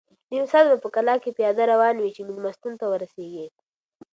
نیم ساعت به په کلا کې پیاده روان یې چې مېلمستون ته ورسېږې.